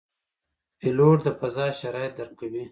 پیلوټ د فضا شرایط درک کوي.